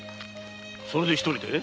それで一人で？